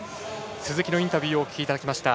鈴木のインタビューをお聞きいただきました。